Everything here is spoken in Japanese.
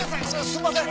すんません。